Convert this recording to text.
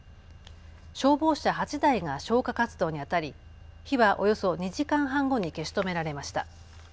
消防車８台が消火活動にあたり火はおよそ２時間半後に消し止められました。